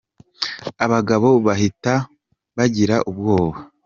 Abagabo bahita bagira ubwoba.